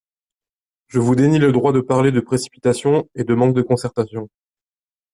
Je vous dénie le droit de parler de précipitation et de manque de concertation.